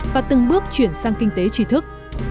và từng bước chuyển sang kinh tế trí thức